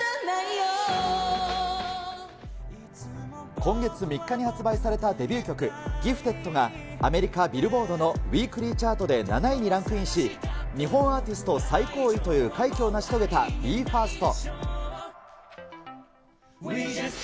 今月３日に発売されたデビュー曲、ギフテッドがアメリカ、ビルボードのウィークリーチャートで７位にランクインし日本アーティスト最高位という快挙を成し遂げたＢ：ＦＩＲＳＴ。